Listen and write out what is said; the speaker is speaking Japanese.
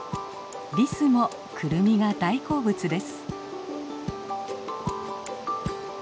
リスもクルミが大好物です。